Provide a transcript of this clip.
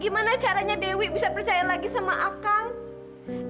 gimana caranya dewi bisa percaya lagi sama akang